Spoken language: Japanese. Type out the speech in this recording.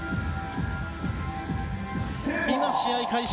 試合開始。